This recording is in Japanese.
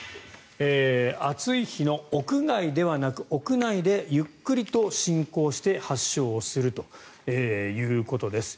暑い日の屋外ではなく屋内でゆっくりと進行して発症をするということです。